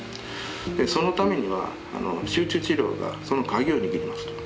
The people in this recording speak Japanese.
そのためには集中治療がその鍵を握りますと。